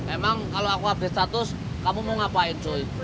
emang kalau aku update status kamu mau ngapain cuy